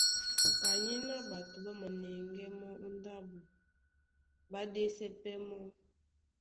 Kanyéná ɓato ɓá manɛŋgɛ́ mɔ́ ó ndáɓo, ɓá ɗésɛ pɛ́ mɔ́.